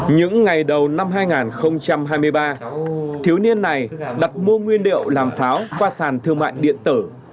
những ngày đầu năm hai nghìn hai mươi ba thiếu niên này đặt mua nguyên liệu làm pháo qua sàn thương mại điện tử